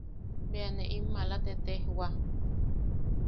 Bea ne in malam tetejwa.